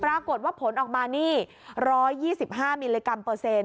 ปรากฏว่าผลออกมานี่๑๒๕มิลลิกรัมเปอร์เซ็นต